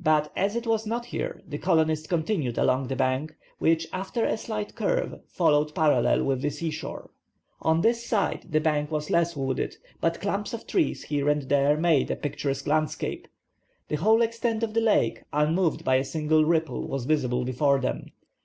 But as it was not here, the colonists continued along the bank, which, after a slight curve, followed parallel with the sea shore. On this side the bank was less wooded, but clumps of trees, here and there, made a picturesque landscape. The whole extent of the lake, unmoved by a single ripple, was visible before, them.